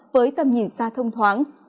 với tầm nhìn xa thông thoáng